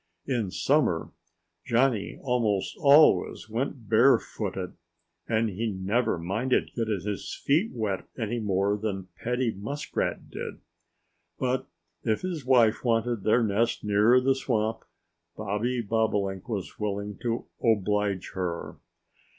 In summer Johnnie almost always went barefooted. And he never minded getting his feet wet any more than Paddy Muskrat did. But if his wife wanted their nest near the swamp, Bobby Bobolink was willing to oblige her.